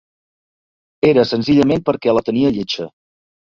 Era senzillament, perquè la tenia lletja.